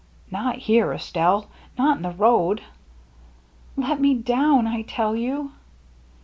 " Not here, Estelle ! Not in the road !"" Let me down, I tell you